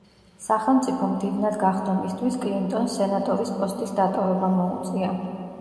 სახელმწიფო მდივნად გახდომისთვის, კლინტონს სენატორის პოსტის დატოვება მოუწია.